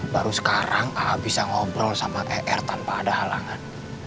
baru sekarang bisa ngobrol sama er tanpa ada halangan